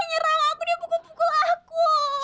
dia nyerang aku dia pukul pukul aku